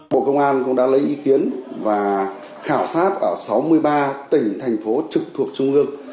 bộ công an cũng đã lấy ý kiến và khảo sát ở sáu mươi ba tỉnh thành phố trực thuộc trung ương